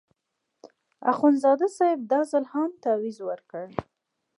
اخندزاده صاحب دا ځل هم تاویز ورکړ.